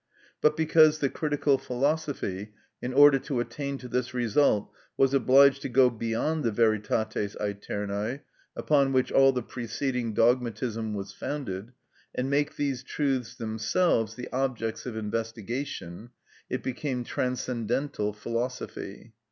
But because the critical philosophy, in order to attain to this result, was obliged to go beyond the veritates æternæ upon which all the preceding dogmatism was founded, and make these truths themselves the objects of investigation, it became transcendental philosophy.